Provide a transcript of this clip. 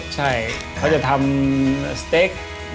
ใช่เขาจะทำสเต็ก